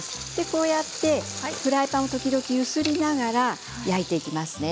こうやってフライパンを揺すりながら焼いていきますね。